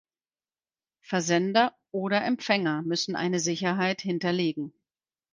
Versender oder Empfänger müssen eine Sicherheit hinterlegen.